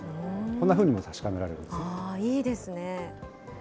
こんなふうにも確かめられるんです。